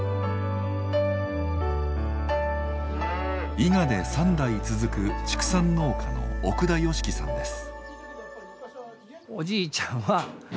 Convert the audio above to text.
伊賀で３代続く畜産農家の奥田能己さんです。